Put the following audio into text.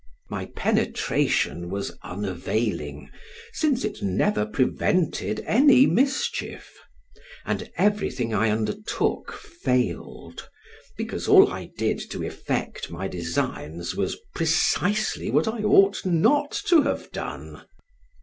My penetration was unavailing, since it never prevented any mischief; and everything I undertook failed, because all I did to effect my designs was precisely what I ought not to have done.